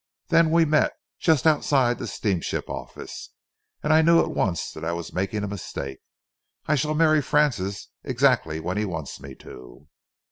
Then we met just outside the steamship office and I knew at once that I was making a mistake. I shall marry Francis exactly when he wants me to."